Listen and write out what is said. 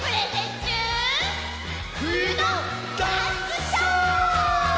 ふゆのダンスショー！